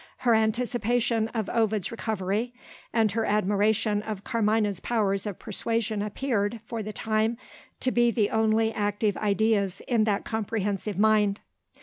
Her anticipation of Ovid's recovery, and her admiration of Carmina's powers of persuasion appeared, for the time, to be the only active ideas in that comprehensive mind.